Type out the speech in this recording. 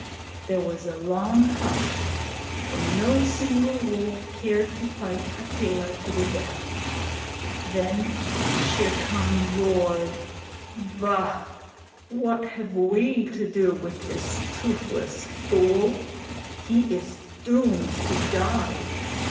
There was a long hush, for no single wolf cared to fight Akela to the death. Then Shere Khan roared: 'Bah! what have we to do with this toothless fool? He is doomed to die!